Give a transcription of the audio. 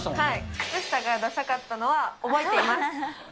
靴下がださかったのは覚えています。